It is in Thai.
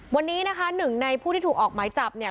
วันนี้นะคะหนึ่งในผู้ที่ถูกออกหมายจับเนี่ย